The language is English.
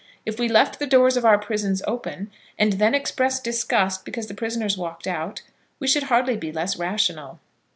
If we left the doors of our prisons open, and then expressed disgust because the prisoners walked out, we should hardly be less rational.